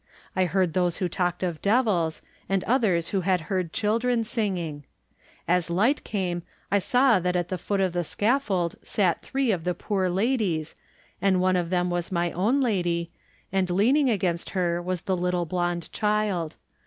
I heard those who talked of devils and others who had heard children singing. As light camp I saw that at the foot of the scaffold sat three of the Poor Ladies, and one of them was my own lady, and leaning against her was the little blond child.